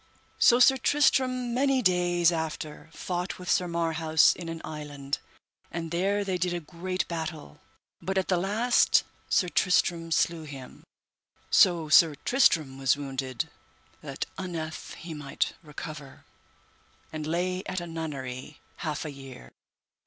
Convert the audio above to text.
So Sir Tristram many days after fought with Sir Marhaus in an island, and there they did a great battle, but at the last Sir Tristram slew him, so Sir Tristram was wounded that unnethe he might recover, and lay at a nunnery half a year.